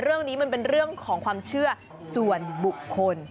เรื่องนี้มันเป็นเรื่องของความเชื่อส่วนบุคคล